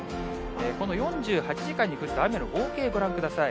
この４８時間に降った雨の合計、ご覧ください。